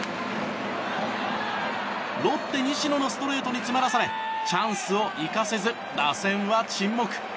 ロッテ、西野のストレートに詰まらされチャンスを生かせず打線は沈黙。